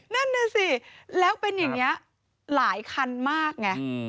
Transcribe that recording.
นั่นน่ะสิแล้วเป็นอย่างนี้หลายคันมากไง